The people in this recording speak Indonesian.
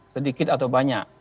sedikit atau banyak